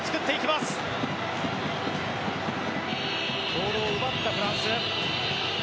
ボールを奪ったフランス。